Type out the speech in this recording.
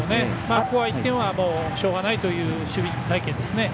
ここは１点はしょうがないという守備隊形ですね。